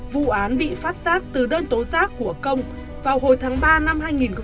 vụ án bị phát giác từ đơn tố giác của công vào hồi tháng ba năm hai nghìn một mươi bảy